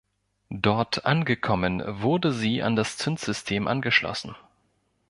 Dort angekommen wurde sie an das Zündsystem angeschlossen.